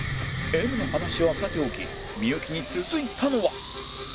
Ｍ の話はさておき幸に続いたのは？